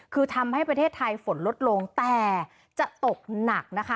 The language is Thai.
คือทำให้ประเทศไทยฝนลดลงแต่จะตกหนักนะคะ